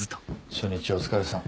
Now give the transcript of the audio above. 初日お疲れさん。